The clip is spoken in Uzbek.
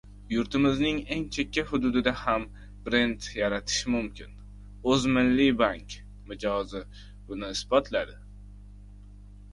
Yurtimizning eng chekka hududida ham brend yaratish mumkin. «O‘zmilliybank» mijozi buni isbotladi